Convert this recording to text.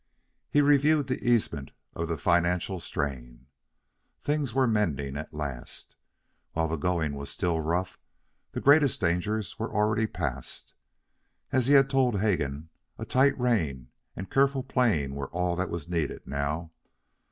He reviewed the easement of the financial strain. Things were mending at last. While the going was still rough, the greatest dangers were already past. As he had told Hegan, a tight rein and careful playing were all that was needed now.